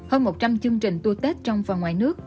hơn một trăm linh chương trình tour tết trong và ngoài nước